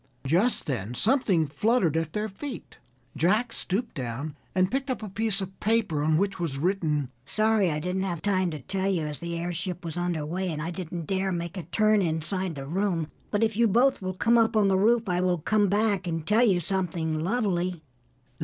Just then something fluttered at their feet. Jack stooped down and picked up a piece of paper on which was written: "Sorry I didn't have time to tell you as the airship was under way and I didn't dare make a turn inside the room, but if you both will come up on the roof, I will come back and tell you something lovely."